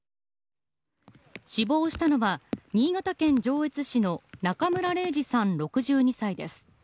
死亡したのは新潟県上越市の中村礼治さん６２歳です。